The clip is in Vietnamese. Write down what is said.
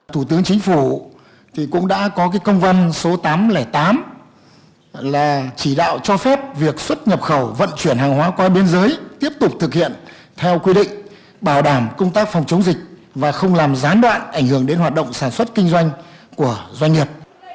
thủ tướng chính phủ cũng đã có công văn số tám trăm linh tám là chỉ đạo cho phép việc xuất nhập khẩu vận chuyển hàng hóa qua biên giới tiếp tục thực hiện theo quy định bảo đảm công tác phòng chống dịch và không làm gián đoạn ảnh hưởng đến hoạt động sản xuất kinh doanh của doanh nghiệp